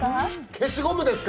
消しゴムですか？